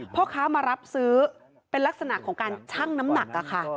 พ่อค้ามารับซื้อเป็นลักษณะของการชั่งน้ำหนักค่ะ